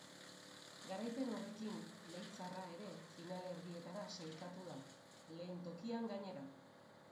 Garaipen horrekin leitzarra ere finalerdietara sailkatu da, lehen tokian, gainera.